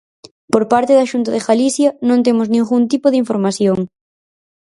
Por parte da Xunta de Galicia non temos ningún tipo de información.